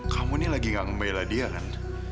kamu ini lagi gak ngebela dia kan